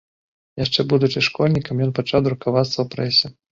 Яшчэ будучы школьнікам, ён пачаў друкавацца ў прэсе.